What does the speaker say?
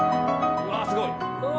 うわっすごいな。